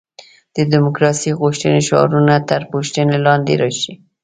د دیموکراسي غوښتنې شعارونه تر پوښتنې لاندې راشي.